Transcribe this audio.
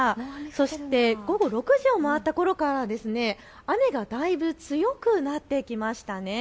そして午後６時を回ったころから雨がだいぶ強くなってきました。